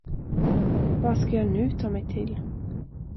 Vad skall jag nu ta mig till?